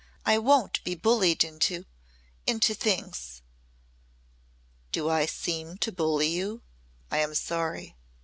I won't be bullied into into things." "Do I seem to bully you? I am sorry."